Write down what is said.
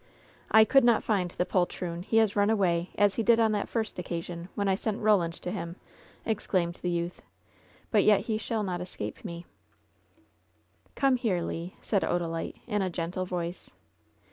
'T could not find the poltroon! He has run away, as he did on that first occasion, when I sent Eoland to him!" exclaimed the youth. "But yet he shall not escape me I" LOVE'S BITTEREST CUP 97 *^Come here, Le," said Odalite, in a gentle voice.